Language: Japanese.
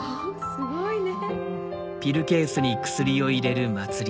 すごいね。